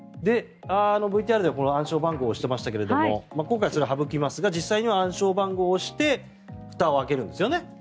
ＶＴＲで暗証番号を押してましたが今回、それを省きますが実際には暗証番号を押してふたを開けるんですよね。